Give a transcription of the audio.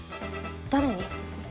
誰に？